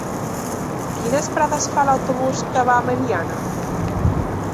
Quines parades fa l'autobús que va a Meliana?